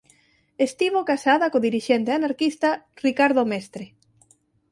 Estivo casada co dirixente anarquista Ricardo Mestre.